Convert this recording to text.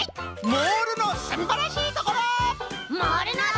「モールのすんばらしいところ！」。